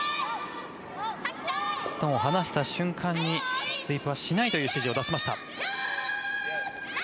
ストーンを離した瞬間にスイープはしないという指示を出しました。